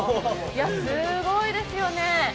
すごいですよね。